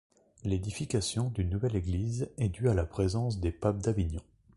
L'édification d'une nouvelle église est due à la présence des papes d'Avignon.